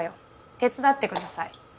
手伝ってください。